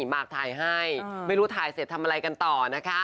มากถ่ายให้ไม่รู้ถ่ายเสร็จทำอะไรกันต่อนะคะ